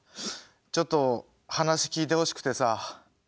ちょっと話聞いてほしくてさ。